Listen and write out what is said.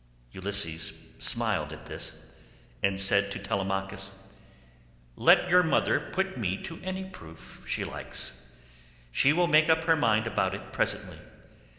Ulysses smiled at this, and said to Telemachus, "Let your mother put me to any proof she likes; she will make up her mind about it presently.